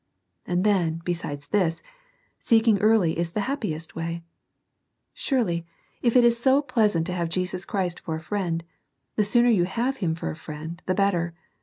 And then, besides this, seeking early is the happiest way. Surely, if it is so pleasant to have Jesus Christ for a friend, the sooner you have Him for a friend the better.